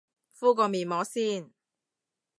敷個面膜先